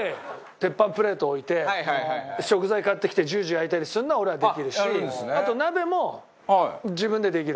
鉄板プレート置いて食材買ってきてジュージュー焼いたりするのは俺はできるしあと、鍋も自分でできる。